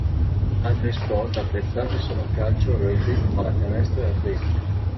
Altri sport apprezzati sono calcio, rugby, pallacanestro e atletica.